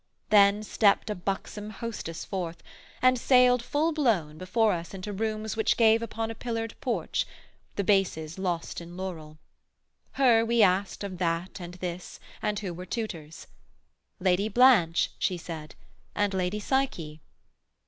Then stept a buxom hostess forth, and sailed, Full blown, before us into rooms which gave Upon a pillared porch, the bases lost In laurel: her we asked of that and this, And who were tutors. 'Lady Blanche' she said, 'And Lady Psyche.'